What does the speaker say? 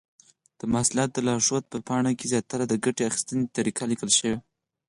د محصولاتو د لارښود په پاڼه کې زیاتره د ګټې اخیستنې طریقه لیکل شوې.